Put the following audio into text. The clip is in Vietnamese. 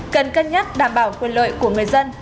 cần cân nhắc đảm bảo quyền lợi của người dân